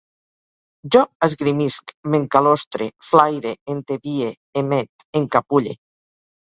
Jo esgrimisc, m'encalostre, flaire, entebie, emet, encapulle